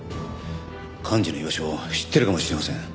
寛二の居場所を知ってるかもしれません。